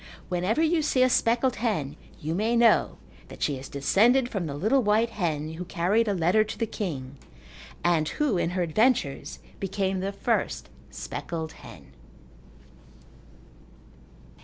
Whenever you see a speckled hen you may know that she is descended from the little white hen who carried a letter to the king, and who, in her adventures, became the first speckled hen.